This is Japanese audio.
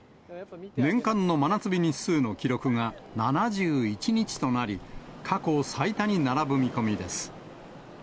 年間の真夏日日数の記録が７１日となり、過去最多に並ぶ見込みです。